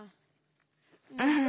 うん。